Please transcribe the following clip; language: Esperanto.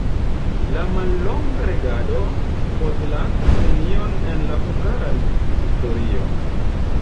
La mallonga regado postlasis nenion en la hungara historio.